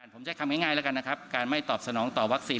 ผมใช้คำง่ายแล้วกันนะครับการไม่ตอบสนองต่อวัคซีน